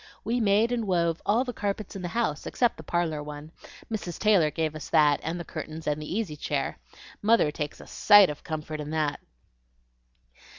We made and wove all the carpets in the house, except the parlor one. Mrs. Taylor gave us that, and the curtains, and the easy chair. Mother takes a sight of comfort in that."